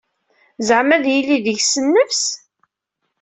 Zeɛma ad yili deg-s nnfeɛ.